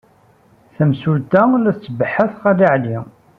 Tamsulta la tbeḥḥet Xali Ɛli.